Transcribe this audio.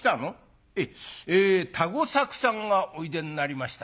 「ええ田吾作さんがおいでになりました」。